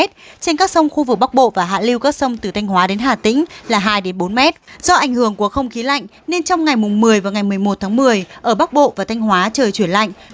trên các sông khu vực bắc bộ và hạ lưu các sông từ thanh hóa đến hà tĩnh là hai bốn m do ảnh hưởng của không khí lạnh nên trong ngày một mươi và ngày một mươi một tháng một mươi ở bắc bộ và thanh hóa trời chuyển lạnh